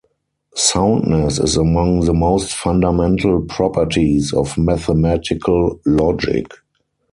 Soundness is among the most fundamental properties of mathematical logic.